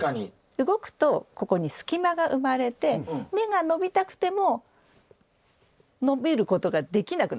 動くとここに隙間が生まれて根が伸びたくても伸びることができなくなってしまう。